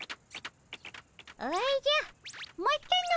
おじゃまたの。